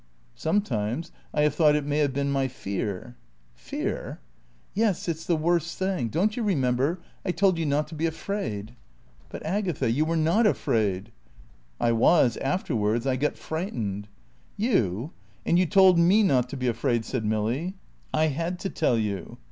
"Sometimes I have thought it may have been my fear." "Fear?" "Yes, it's the worst thing. Don't you remember, I told you not to be afraid?" "But Agatha, you were not afraid." "I was afterwards. I got frightened." "You? And you told me not to be afraid," said Milly. "I had to tell you."